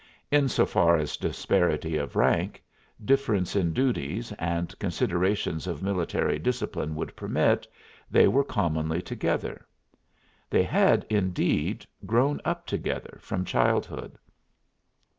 In so far as disparity of rank, difference in duties and considerations of military discipline would permit they were commonly together. They had, indeed, grown up together from childhood.